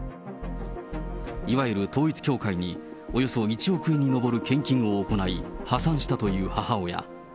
いわゆる統一教会におよそ１億円に上る献金を行い、破産したという母親。